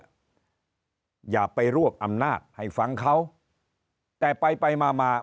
เสนอชื่อขึ้นมาแล้วข้างบนเนี่ยอย่าไปรวบอำนาจให้ฟังเขาแต่ไปไปมามา